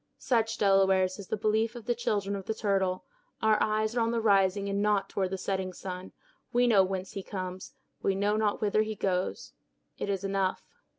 Such, Delawares, is the belief of the children of the Turtle. Our eyes are on the rising and not toward the setting sun. We know whence he comes, but we know not whither he goes. It is enough."